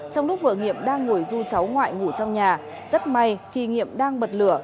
trong lúc vợ nghiệp đang ngồi du cháu ngoại ngủ trong nhà rất may khi nghiệp đang bật lửa